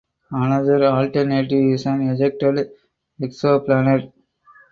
Another alternative is an ejected exoplanet.